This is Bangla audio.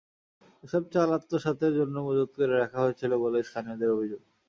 এসব চাল আত্মসাতের জন্য মজুত করে রাখা হয়েছিল বলে স্থানীয়দের অভিযোগ।